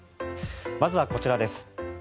まずは、こちらです。